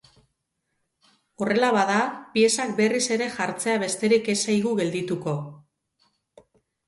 Horrela bada, piezak berriz ere jartzea besterik ez zaigu geldituko.